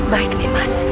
baik nih mas